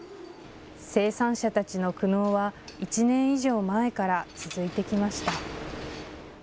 生産者たちの苦悩は、１年以上前から続いてきました。